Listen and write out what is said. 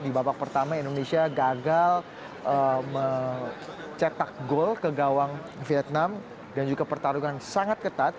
di babak pertama indonesia gagal mencetak gol ke gawang vietnam dan juga pertarungan sangat ketat